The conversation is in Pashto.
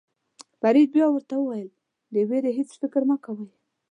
فرید بیا ورته وویل د وېرې هېڅ فکر مه کوئ.